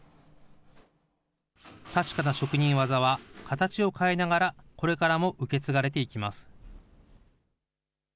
確かな職人技は、形を変えながら、これからも受け継がれていきます。